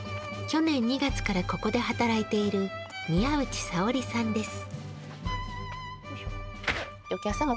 去年２月からここで働いている宮内沙織さんです。